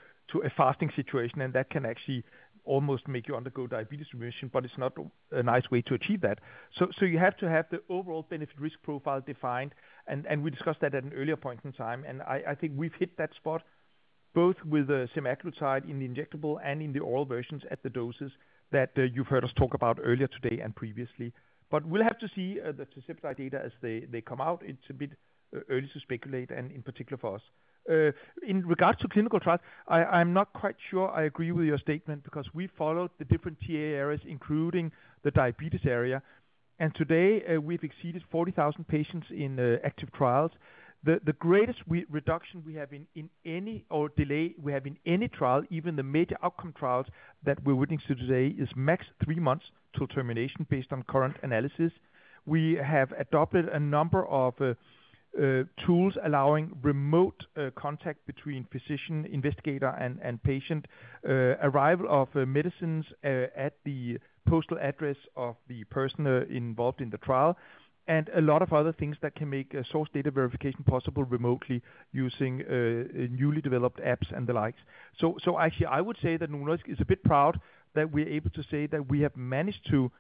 a fasting situation, and that can actually almost make you undergo diabetes remission, but it's not a nice way to achieve that. You have to have the overall benefit risk profile defined, and we discussed that at an earlier point in time, and I think we've hit that spot both with the semaglutide in the injectable and in the oral versions at the doses that you've heard us talk about earlier today and previously. We'll have to see the tirzepatide data as they come out. It's a bit early to speculate, and in particular for us. In regards to clinical trials, I'm not quite sure I agree with your statement because we followed the different TA areas, including the diabetes area, and today we've exceeded 40,000 patients in active trials. The greatest reduction we have in any delay we have in any trial, even the major outcome trials that we're witnessing today, is max three months to termination based on current analysis. We have adopted a number of tools allowing remote contact between physician investigator and patient, arrival of medicines at the postal address of the person involved in the trial, and a lot of other things that can make source data verification possible remotely using newly developed apps and the like. Actually, I would say that Novo Nordisk is a bit proud that we're able to say that we have managed to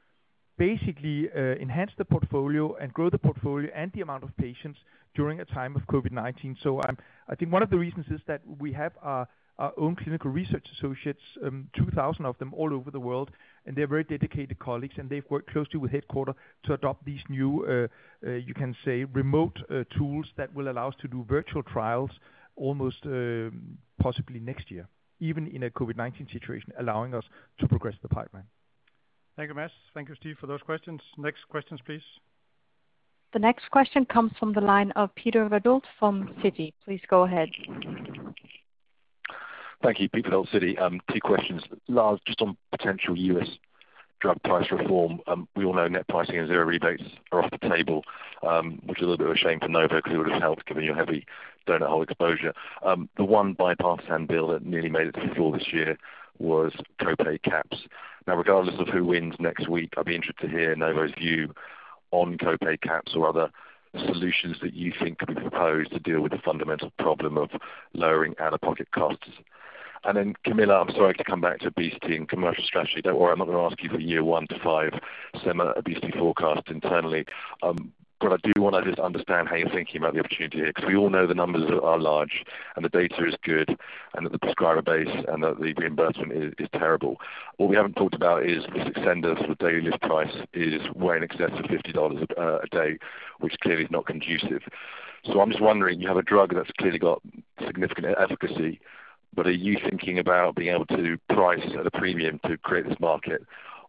basically enhance the portfolio and grow the portfolio and the amount of patients during a time of COVID-19. I think one of the reasons is that we have our own clinical research associates, 2,000 of them all over the world, and they're very dedicated colleagues, and they've worked closely with headquarter to adopt these new, you can say, remote tools that will allow us to do virtual trials almost possibly next year, even in a COVID-19 situation, allowing us to progress the pipeline. Thank you, Mads. Thank you, Steve, for those questions. Next questions, please. The next question comes from the line of Peter Verdult from Citi. Please go ahead. Thank you. Peter Verdult, Citi. Two questions. Lars, just on potential U.S. drug price reform. We all know net pricing and zero rebates are off the table, which is a little bit of a shame for Novo Nordisk because it would have helped given your heavy donut hole exposure. The one bipartisan bill that nearly made it to the floor this year was co-pay caps. Then, regardless of who wins next week, I'd be interested to hear Novo Nordisk's view on co-pay caps or other solutions that you think could be proposed to deal with the fundamental problem of lowering out-of-pocket costs. Then, Camilla, I'm sorry to come back to obesity and commercial strategy. Don't worry, I'm not going to ask you for year one to five semaglutide obesity forecast internally, but I do want to just understand how you're thinking about the opportunity here, because we all know the numbers are large and the data is good, and that the prescriber base and that the reimbursement is terrible. What we haven't talked about is with Saxenda, the daily list price is way in excess of DKK 50 a day, which clearly is not conducive. I'm just wondering, you have a drug that's clearly got significant efficacy, but are you thinking about being able to price at a premium to create this market?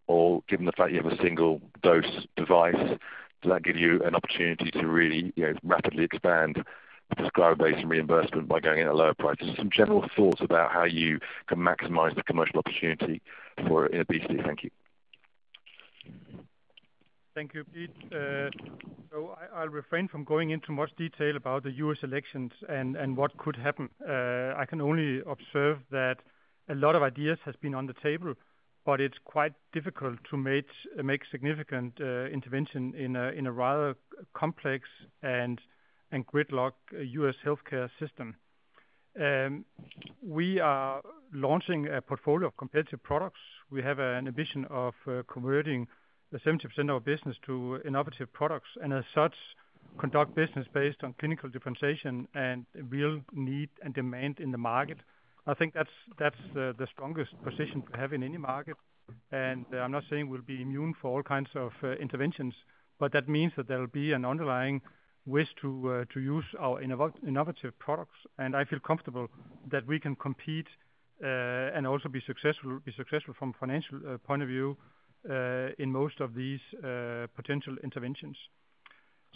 Or given the fact you have a single dose device, does that give you an opportunity to really rapidly expand the prescriber base and reimbursement by going at a lower price? Just some general thoughts about how you can maximize the commercial opportunity for obesity. Thank you. Thank you, Pete. I'll refrain from going into much detail about the U.S. elections and what could happen. I can only observe that a lot of ideas have been on the table, but it's quite difficult to make significant intervention in a rather complex and gridlocked U.S. healthcare system. We are launching a portfolio of competitive products. We have an ambition of converting 70% of our business to innovative products, and as such, conduct business based on clinical differentiation and real need and demand in the market. I think that's the strongest position to have in any market. I'm not saying we'll be immune for all kinds of interventions, but that means that there will be an underlying wish to use our innovative products, and I feel comfortable that we can compete, and also be successful from a financial point of view, in most of these potential interventions.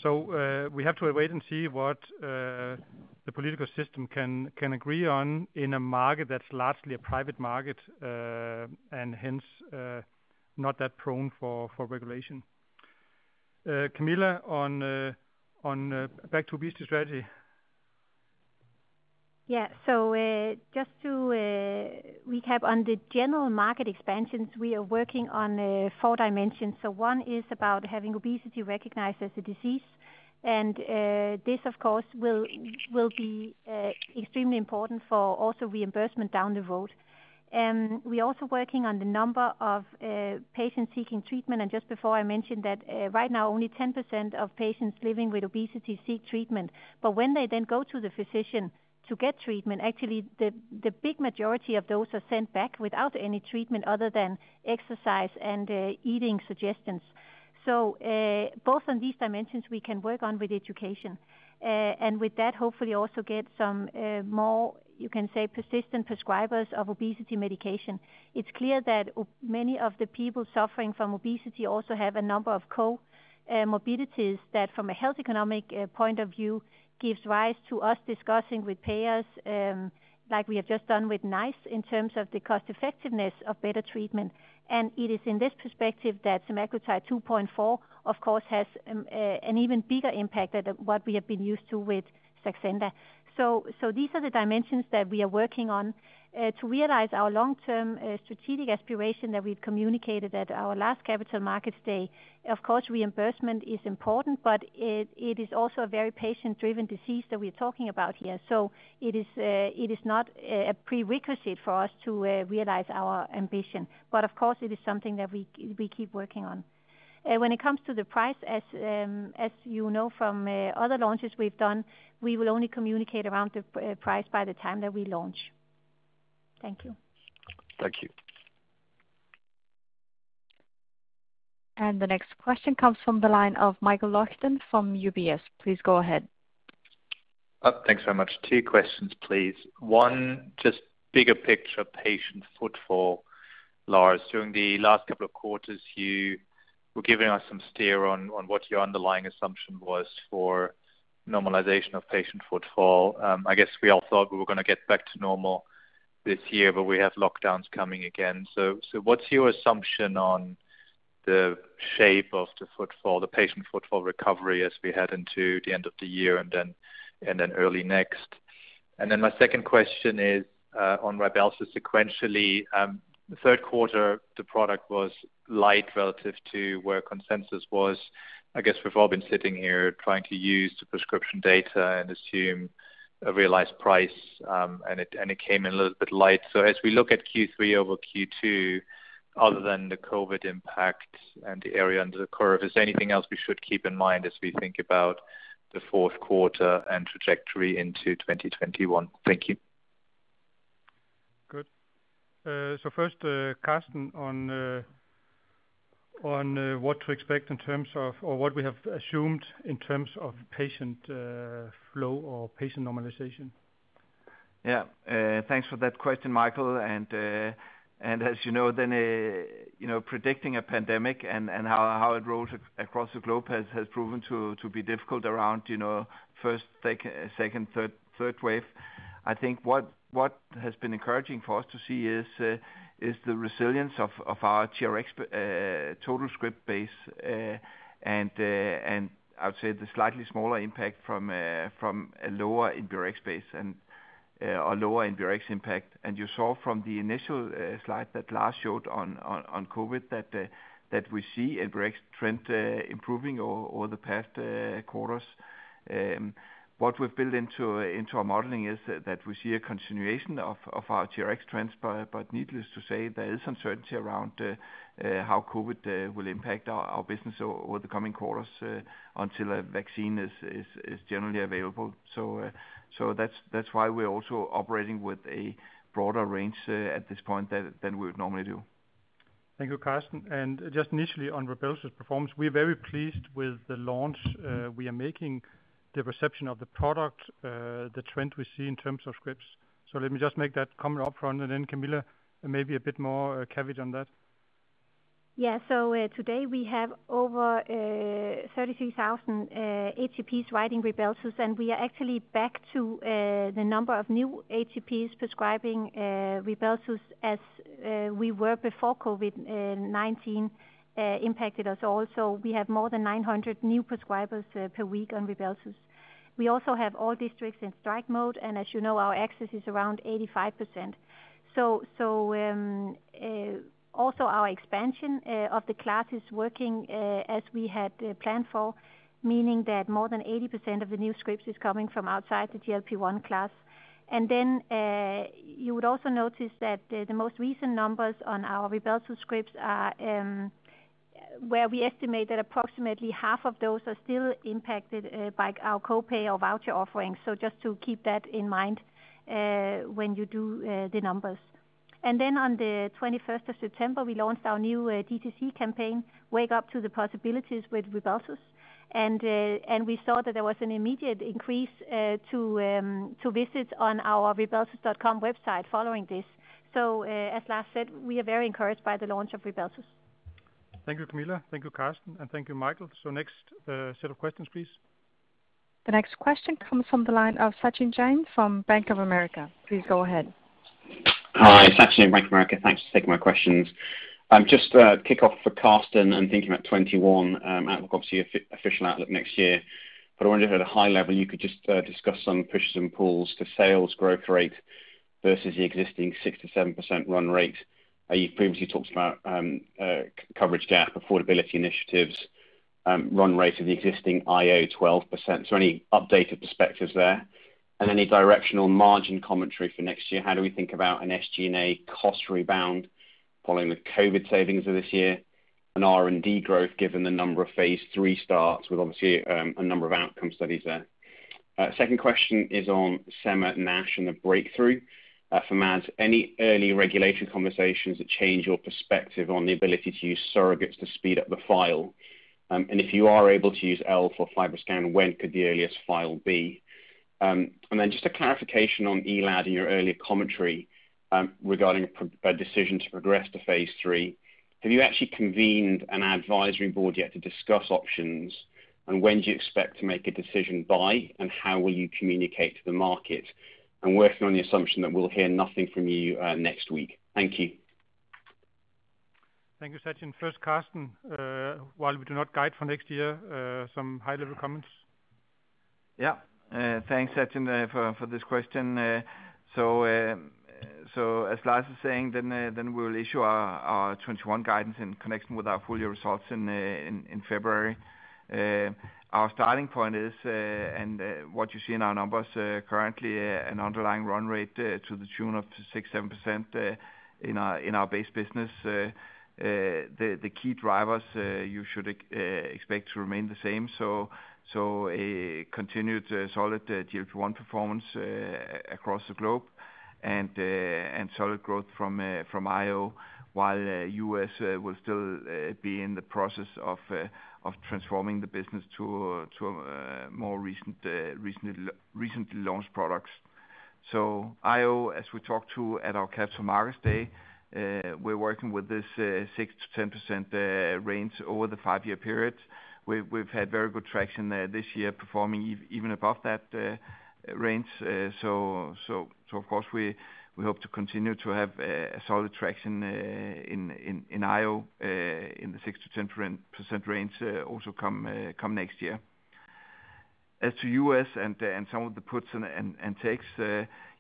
We have to wait and see what the political system can agree on in a market that's largely a private market, and hence, not that prone for regulation. Camilla, back to obesity strategy. Yeah. Just to recap on the general market expansions, we are working on four dimensions. One is about having obesity recognized as a disease. This, of course, will be extremely important for also reimbursement down the road. We're also working on the number of patients seeking treatment, and just before I mentioned that right now, only 10% of patients living with obesity seek treatment. When they then go to the physician to get treatment, actually, the big majority of those are sent back without any treatment other than exercise and eating suggestions. Both on these dimensions we can work on with education. With that, hopefully also get some more, you can say persistent prescribers of obesity medication. It's clear that many of the people suffering from obesity also have a number of comorbidities that from a health economic point of view, gives rise to us discussing with payers, like we have just done with NICE in terms of the cost-effectiveness of better treatment. It is in this perspective that semaglutide 2.4 mg, of course, has an even bigger impact than what we have been used to with Saxenda. These are the dimensions that we are working on to realize our long-term strategic aspiration that we've communicated at our last Capital Markets Day. Of course, reimbursement is important, it is also a very patient-driven disease that we're talking about here. It is not a prerequisite for us to realize our ambition. Of course, it is something that we keep working on. When it comes to the price, as you know from other launches we've done, we will only communicate around the price by the time that we launch. Thank you. Thank you. The next question comes from the line of Michael Leuchten from UBS. Please go ahead. Thanks very much. Two questions, please. One, just bigger picture patient footfall, Lars. During the last couple of quarters, you were giving us some steer on what your underlying assumption was for normalization of patient footfall. I guess we all thought we were going to get back to normal this year, but we have lockdowns coming again. What's your assumption on the shape of the footfall, the patient footfall recovery as we head into the end of the year, and then early next? My second question is on Rybelsus sequentially. Third quarter, the product was light relative to where consensus was. I guess we've all been sitting here trying to use the prescription data and assume a realized price, and it came in a little bit light. As we look at Q3 over Q2, other than the COVID-19 impact and the area under the curve, is there anything else we should keep in mind as we think about the fourth quarter and trajectory into 2021? Thank you. Good. First, Karsten, on what to expect in terms of, or what we have assumed in terms of patient flow or patient normalization. Yeah. Thanks for that question, Michael. As you know, predicting a pandemic and how it rolls across the globe has proven to be difficult around first, second, third wave. I think what has been encouraging for us to see is the resilience of our TRX total script base. I would say the slightly smaller impact from a lower NBRX base and a lower NBRX impact. You saw from the initial slide that Lars showed on COVID that we see NBRX trend improving over the past quarters. What we've built into our modeling is that we see a continuation of our TRX trends, but needless to say, there is uncertainty around how COVID will impact our business over the coming quarters until a vaccine is generally available. That's why we're also operating with a broader range at this point than we would normally do. Thank you, Karsten. Initially on Rybelsus performance, we're very pleased with the launch we are making, the reception of the product, the trend we see in terms of scripts. Let me just make that comment up front, and then Camilla, maybe a bit more coverage on that. Yeah. Today we have over 33,000 HCPs writing Rybelsus, and we are actually back to the number of new HCPs prescribing Rybelsus as we were before COVID-19 impacted us all. We have more than 900 new prescribers per week on Rybelsus. We also have all districts in strike mode, and as you know, our access is around 85%. Also, our expansion of the class is working as we had planned for, meaning that more than 80% of the new scripts is coming from outside the GLP-1 class. You would also notice that the most recent numbers on our Rybelsus scripts are where we estimate that approximately half of those are still impacted by our co-pay or voucher offerings. Just to keep that in mind when you do the numbers. On the 21st of September, we launched our new DTC campaign, Wake Up to the Possibilities with Rybelsus. We saw that there was an immediate increase to visits on our rybelsus.com website following this. As Lars said, we are very encouraged by the launch of Rybelsus. Thank you, Camilla. Thank you, Karsten, and thank you, Michael. Next set of questions, please. The next question comes from the line of Sachin Jain from Bank of America. Please go ahead. Hi, Sachin Jain. Bank of America. Thanks for taking my questions. To kick off for Karsten, I am thinking about 2021 outlook, obviously official outlook next year. I wonder if at a high level you could just discuss some pushes and pulls to sales growth rate versus the existing 6%-7% run rate. You previously talked about coverage gap, affordability initiatives, run rate of the existing IO 12%. Any updated perspectives there? Any directional margin commentary for next year? How do we think about an SG&A cost rebound following the COVID savings of this year? R&D growth, given the number of phase III starts with obviously, a number of outcome studies there. Second question is on sema NASH and the breakthrough for Mads. Any early regulation conversations that change your perspective on the ability to use surrogates to speed up the file? If you are able to use ELF for FibroScan, when could the earliest file be? Just a clarification on ELAD in your earlier commentary regarding a decision to progress to phase III. Have you actually convened an advisory board yet to discuss options? When do you expect to make a decision by, and how will you communicate to the market? I'm working on the assumption that we'll hear nothing from you next week. Thank you. Thank you, Sachin. First Karsten, while we do not guide for next year, some high-level comments. Thanks, Sachin, for this question. As Lars is saying, then we'll issue our 2021 guidance in connection with our full year results in February. Our starting point is, and what you see in our numbers currently, an underlying run rate to the tune of 6%, 7% in our base business. The key drivers you should expect to remain the same. A continued solid GLP-1 performance across the globe and solid growth from IO, while U.S. will still be in the process of transforming the business to more recently launched products. IO, as we talked to at our Capital Markets Day, we're working with this 6%-10% range over the five-year period. We've had very good traction there this year, performing even above that range. Of course we hope to continue to have solid traction in IO in the 6%-10% range also come next year. As to U.S. and some of the puts and takes,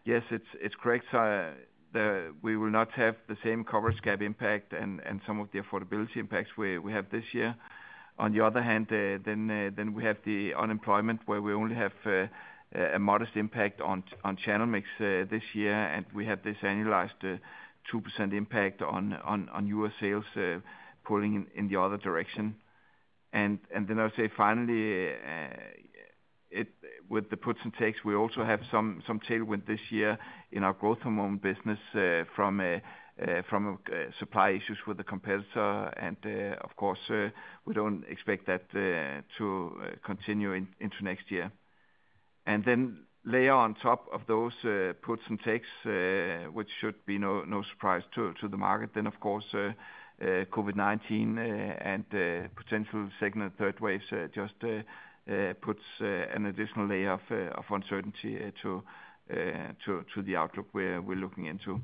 yes, it's correct. We will not have the same coverage gap impact and some of the affordability impacts we have this year. On the other hand, then we have the unemployment where we only have a modest impact on channel mix this year, and we have this annualized 2% impact on U.S. sales pulling in the other direction. I would say finally, with the puts and takes, we also have some tailwind this year in our growth hormone business from supply issues with the competitor. Of course, we don't expect that to continue into next year. Layer on top of those puts and takes, which should be no surprise to the market. Of course, COVID-19 and potential second or third waves just puts an additional layer of uncertainty to the outlook we're looking into.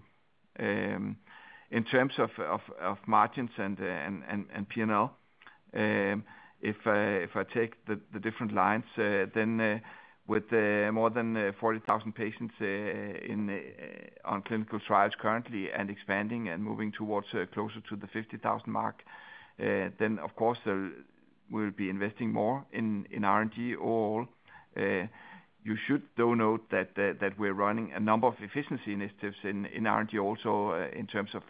In terms of margins and P&L, if I take the different lines, with more than 40,000 patients on clinical trials currently and expanding and moving towards closer to the 50,000 mark, of course we'll be investing more in R&D. You should though note that we're running a number of efficiency initiatives in R&D also in terms of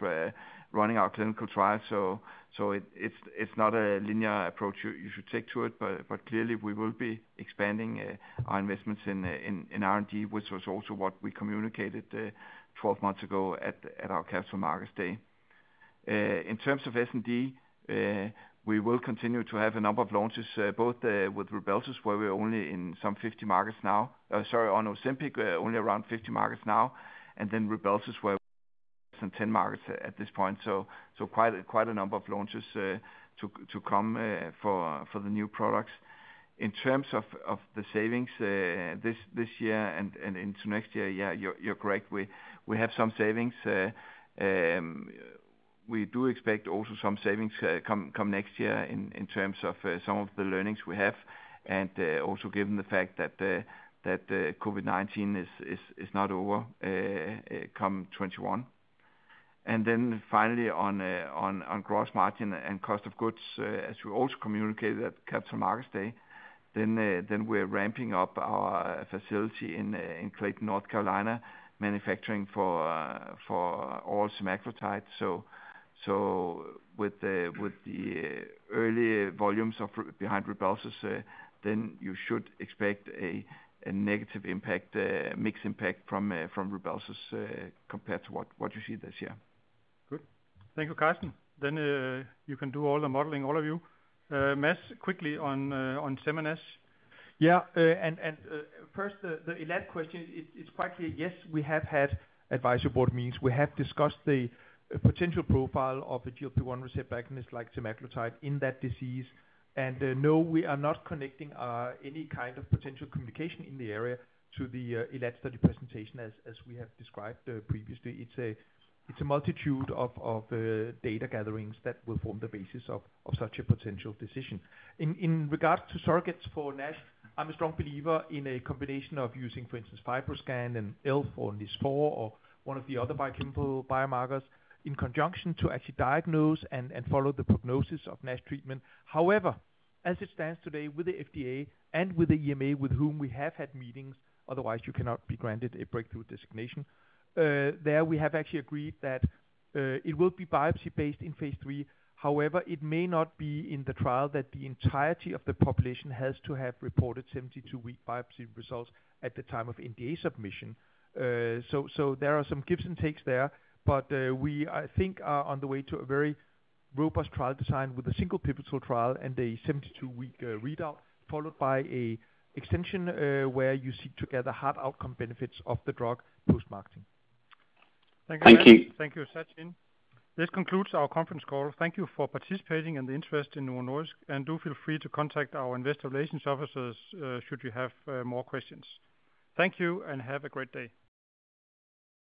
running our clinical trials. It's not a linear approach you should take to it, but clearly we will be expanding our investments in R&D, which was also what we communicated 12 months ago at our Capital Markets Day. In terms of S&D, we will continue to have a number of launches both with Rybelsus where we're only in some 50 markets now. Sorry, on Ozempic, only around 50 markets now, and then Rybelsus where some 10 markets at this point. Quite a number of launches to come for the new products. In terms of the savings this year and into next year, yeah, you're correct. We have some savings. We do expect also some savings come next year in terms of some of the learnings we have, and also given the fact that COVID-19 is not over come 2021. Finally on gross margin and cost of goods, as we also communicated at Capital Markets Day, then we're ramping up our facility in Clayton, North Carolina, manufacturing for all semaglutide. With the early volumes behind Rybelsus, then you should expect a negative impact, mixed impact from Rybelsus compared to what you see this year. Good. Thank you, Karsten. You can do all the modeling, all of you. Mads, quickly on sema NASH. Yeah. First, the ELAD question, it's quite clear, yes, we have had advisory board meetings. We have discussed the potential profile of the GLP-1 receptor agonist like semaglutide in that disease. No, we are not connecting any kind of potential communication in the area to the ELAD study presentation as we have described previously. It's a multitude of data gatherings that will form the basis of such a potential decision. In regard to surrogates for NASH, I'm a strong believer in a combination of using, for instance, FibroScan and ELF or NIS4 or one of the other biochemical biomarkers in conjunction to actually diagnose and follow the prognosis of NASH treatment. As it stands today with the FDA and with the EMA with whom we have had meetings, otherwise you cannot be granted a breakthrough designation. There we have actually agreed that it will be biopsy based in phase III. However, it may not be in the trial that the entirety of the population has to have reported 72-week biopsy results at the time of NDA submission. There are some gives and takes there. We, I think, are on the way to a very robust trial design with a single pivotal trial and a 72-week readout, followed by a extension where you seek to gather hard outcome benefits of the drug post-marketing. Thank you. Thank you. Thank you, Sachin. This concludes our conference call. Thank you for participating and the interest in Novo Nordisk, and do feel free to contact our investor relations officers, should you have more questions. Thank you and have a great day.